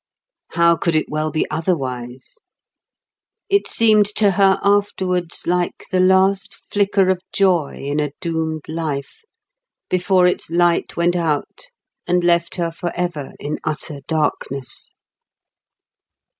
How could it well be otherwise? It seemed to her afterwards like the last flicker of joy in a doomed life, before its light went out and left her forever in utter darkness.